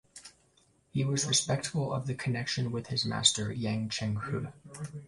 He was respectful of the connection with his master, Yang ChengFu.